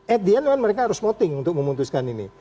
at the end mereka harus moting untuk memutuskan ini